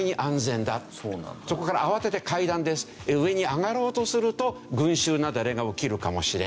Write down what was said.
そこから慌てて階段で上に上がろうとすると群集雪崩が起きるかもしれない。